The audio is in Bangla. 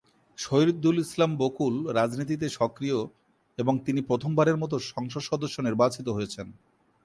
শহিদুল ইসলাম বকুল রাজনীতিতে সক্রিয় এবং তিনি প্রথম বারের মতো সংসদ সদস্য নির্বাচিত হয়েছেন।